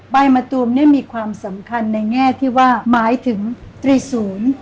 มะตูมเนี่ยมีความสำคัญในแง่ที่ว่าหมายถึงตรีศูนย์